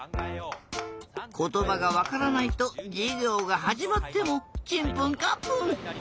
ことばがわからないとじゅぎょうがはじまってもチンプンカンプン。